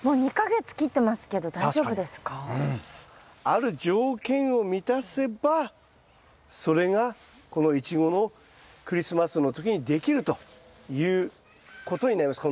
ある条件を満たせばそれがこのイチゴのクリスマスの時にできるということになります。